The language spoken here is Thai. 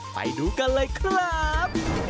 ไปดูกันเลยครับ